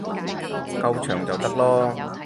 夠長就得囉